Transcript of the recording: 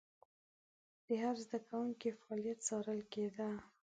د هر زده کوونکي فعالیت څارل کېده.